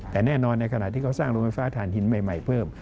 แต่แน่นอนในขณะที่เขาสร้างโรงไฟฟ้าฐานหินใหม่เพิ่ม